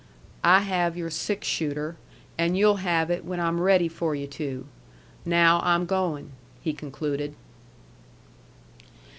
"I have your six shooter, and you'll have it when I'm ready for you to. Now, I'm goin'," he concluded.